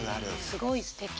すごいすてき。